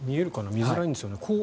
見づらいですよね。